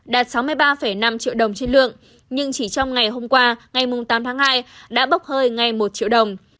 đạt sáu mươi ba năm triệu đồng trên lượng nhưng chỉ trong ngày hôm qua ngày tám tháng hai đã bốc hơi ngay một triệu đồng